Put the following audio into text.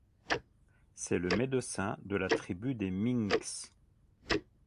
C'est le médecin de la Tribu des Minks.